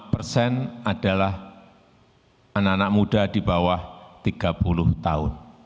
tiga puluh persen adalah anak anak muda di bawah tiga puluh tahun